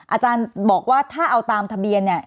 อาจารย์บอกว่าถ้าเอาตามทะเบียนเนี่ย